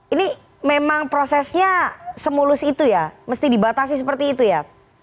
ini memang prosesnya semulus itu ya mesti dibatasi seperti itu ya